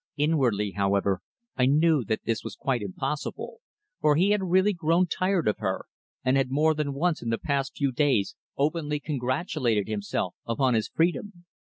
Inwardly, however, I knew that this was quite impossible, for he had really grown tired of her, and had more than once in the past few days openly congratulated himself upon his freedom.